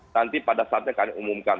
nanti pada saatnya kami umumkan